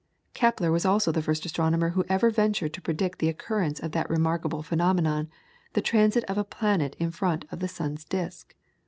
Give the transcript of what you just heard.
Kepler was also the first astronomer who ever ventured to predict the occurrence of that remarkable phenomenon, the transit of a planet in front of the sun's disc.